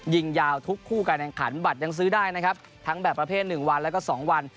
ยาวทุกคู่การแข่งขันบัตรยังซื้อได้นะครับทั้งแบบประเภทหนึ่งวันแล้วก็๒วัน